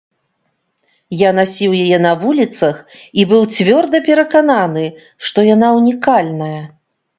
Я насіў яе на вуліцах і быў цвёрда перакананы, што яна ўнікальная.